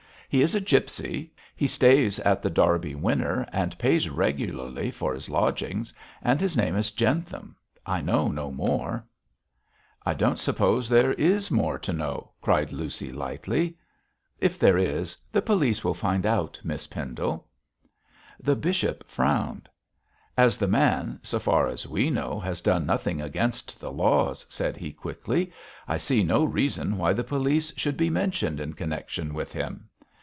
'He is a gipsy; he stays at The Derby Winner and pays regularly for his lodgings; and his name is Jentham. I know no more.' 'I don't suppose there is more to know,' cried Lucy, lightly. 'If there is, the police may find out, Miss Pendle.' The bishop frowned. 'As the man, so far as we know, has done nothing against the laws,' said he, quickly, 'I see no reason why the police should be mentioned in connection with him.